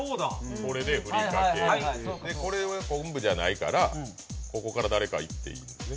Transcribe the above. ここ、こんぶじゃないからここから誰かいっていいですね。